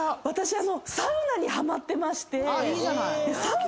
私サウナにハマってまして。